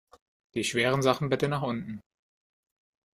Die schweren Sachen bitte nach unten!